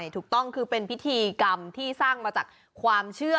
ถูกต้องคือเป็นพิธีกรรมที่สร้างมาจากความเชื่อ